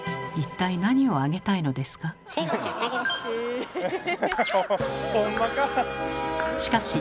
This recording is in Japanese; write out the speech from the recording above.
一体何をあげたいのですか？